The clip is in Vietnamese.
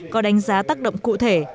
có đánh giá tác động cụ thể